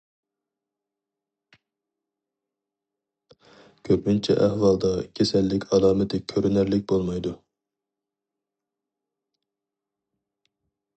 كۆپىنچە ئەھۋالدا كېسەللىك ئالامىتى كۆرۈنەرلىك بولمايدۇ.